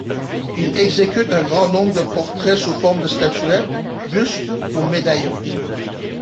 Il exécute un grand nombre de portraits sous forme de statuette, buste ou médaillon.